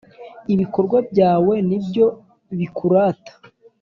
ibikorwa byawe ni byo bikurata